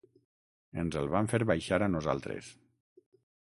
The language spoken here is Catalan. Ens el van fer baixar a nosaltres.